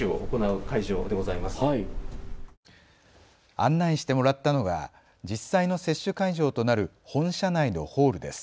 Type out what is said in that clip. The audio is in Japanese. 案内してもらったのが実際の接種会場となる本社内のホールです。